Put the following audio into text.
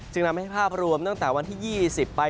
นำให้ภาพรวมตั้งแต่วันที่๒๐ไป